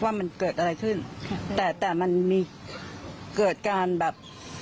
ว่ามันเกิดอะไรขึ้นแต่แต่มันมีเกิดการแบบ